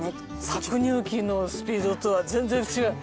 搾乳機のスピードとは全然違う。